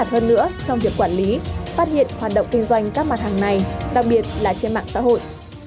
hơn nữa trong việc quản lý phát hiện hoạt động kinh doanh các mặt hàng này đặc biệt là trên mạng xã hội